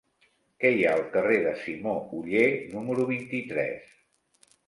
Què hi ha al carrer de Simó Oller número vint-i-tres?